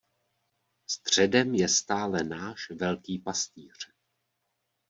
Středem je stále náš Velký Pastýř.